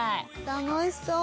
「楽しそう」